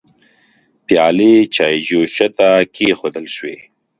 پيالې چايجوشه ته کيښودل شوې.